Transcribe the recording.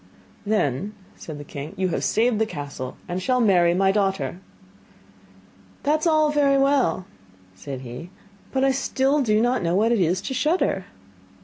'Then,' said the king, 'you have saved the castle, and shall marry my daughter.' 'That is all very well,' said he, 'but still I do not know what it is to shudder!